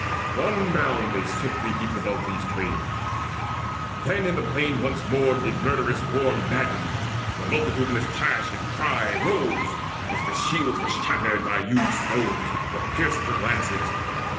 One mound they swiftly heaped above these twain. Then in the plain once more did murderous war Madden: the multitudinous clash and cry Rose, as the shields were shattered with huge stones, Were pierced with lances.